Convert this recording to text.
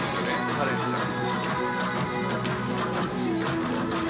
カレンちゃん。